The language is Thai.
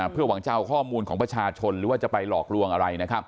เพื่อหวังจะเอาข้อมูลของประชาชนหรือว่าจะไปหลอกลวงอะไร